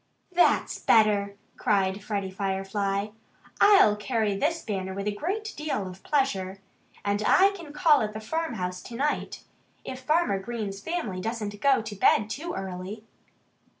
"That's better!" cried Freddie Firefly. "I'll carry this banner with a great deal of pleasure. And I can call at the farmhouse to night if Farmer Green's family doesn't go to bed too early."